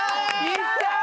いったー！